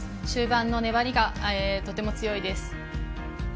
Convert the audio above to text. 終盤の粘りがとても強いです。